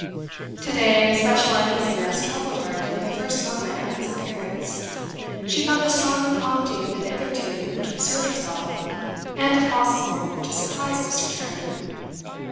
Today an especial uneasiness troubled her from the first moment of his appearance; she felt a stronger prompting than hitherto to assert herself, and, if possible, to surprise Mr. Tarrant.